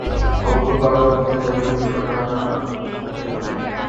অমূল্য পাগলের মতো বলে উঠল, না না না, কখনোই না!